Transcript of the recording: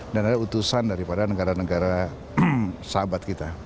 dan ada utusan daripada negara negara sahabat kita